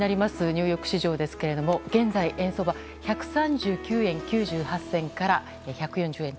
ニューヨーク市場ですが現在円相場１３９円９８銭から１４０円